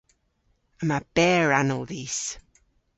Yma berranal dhis.